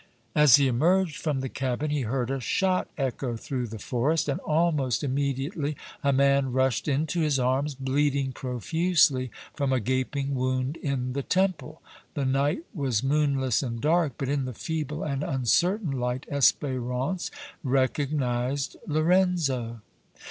As he emerged from the cabin, he heard a shot echo through the forest, and almost immediately a man rushed into his arms, bleeding profusely from a gaping wound in the temple. The night was moonless and dark, but in the feeble and uncertain light Espérance recognized Lorenzo.